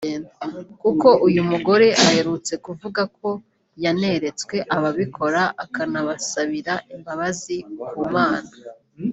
kuko uyu mugore aherutse kuvuga ko yaneretswe ababikora akanabasabira imbabazi ku Mana